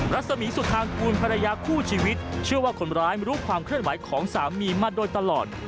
รัศมีสุธางกูลภรรยาคู่ชีวิตเชื่อว่าคนร้ายรู้ความเคลื่อนไหวของสามีมาโดยตลอด